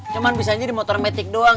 cuma bisa jadi motor metik doang